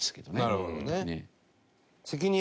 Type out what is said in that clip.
なるほどね。